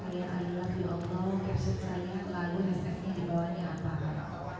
kayak i love you oh no caption saya terlalu hashtagnya dibawahnya apa